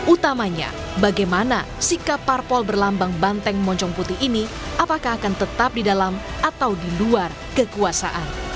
utamanya bagaimana sikap parpol berlambang banteng moncong putih ini apakah akan tetap di dalam atau di luar kekuasaan